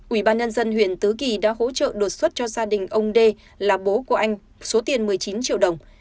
ủy ban nhân dân huyện tứ kỳ đã hỗ trợ đột xuất cho gia đình ông đê là bố của anh số tiền một mươi chín triệu đồng